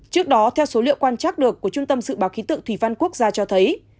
trước đó theo số liệu quan trác được của trung tâm sự báo khí tự thủy văn quốc gia cho thấy